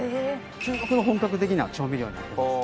中国の本格的な調味料になってます。